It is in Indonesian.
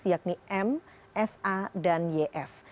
yakni m s a dan yf